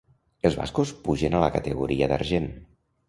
Els bascos pugen a la categoria d'argent.